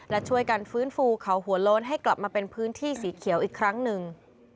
และช่วยกันฟื้นฟูเขาหัวโล้นให้กลับมาเป็นพื้นที่สีเขียวอีกครั้งหนึ่ง